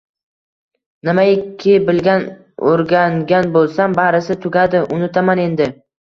Nimaki bilgan, o‘rgangan bo‘lsam barisi — tugadi, unutaman endi.